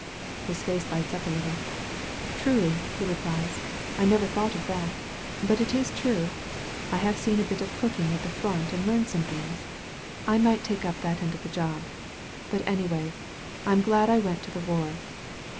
His face lights up a little. "Truly," he replies; "I never thought of that, but it is true. I have seen a bit of cooking at the front and learned some things. I might take up that end of the job. Bid anyway, Fm glad I went to the war.